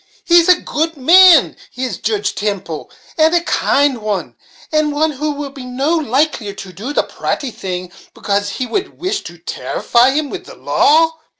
He's a good man is Joodge Temple, and a kind one, and one who will be no the likelier to do the pratty thing, becase ye would wish to tarrify him wid the law.